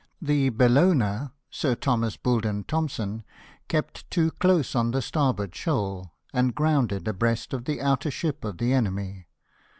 The Bellona, Sir Thomas Boulden Thompson, kept too close on the starboard shoal, and grounded abreast of the outer ship of the enemy.